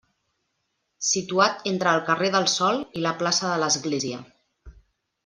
Situat entre el carrer del Sol i la plaça de l'Església.